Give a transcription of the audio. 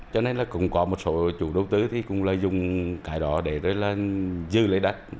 cho nên là cũng có một số chủ đầu tư thì cũng lợi dụng cái đó để rồi là dư lấy đất